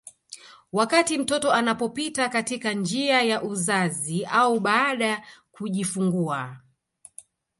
Wakati mtoto anapopita katika njia ya uzazi au baada kujifungua